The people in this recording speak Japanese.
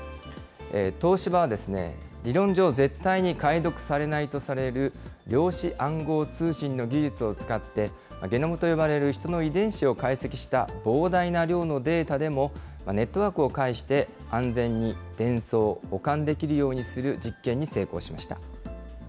東芝は、理論上、絶対に解読されないとされる量子暗号通信の技術を使って、ゲノムと呼ばれる人の遺伝子を解析した膨大な量のデータでも、ネットワークを介して安全に伝送、保管できるようにする実験に成功しました。